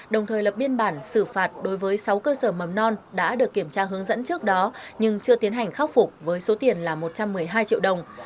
đồng thời lập biên bản xử phạt đối với sáu cơ sở mầm non đã được kiểm tra hướng dẫn trước đó nhưng chưa tiến hành khắc phục với số tiền là một trăm một mươi hai triệu đồng